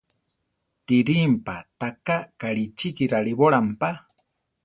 Tirimpa ta ka Karichiki rariborampa.